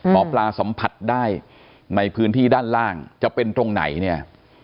หมอปลาสัมผัสได้ในพื้นที่ด้านล่างจะเป็นตรงไหนเนี่ย